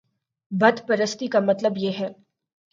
بت پرستی کا مطلب یہ ہے